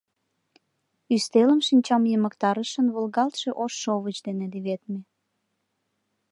Ӱстелым шинчам йымыктарышын волгалтше ош шовыч дене леведме.